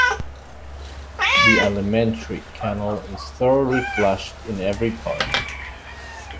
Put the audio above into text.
The alimentary canal is thoroughly flushed in every part.